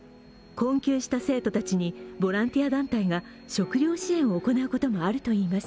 困窮した生徒たちにボランティア団体が食料支援を行うこともあるといいます。